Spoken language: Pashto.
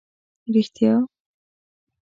رېښتیا؟!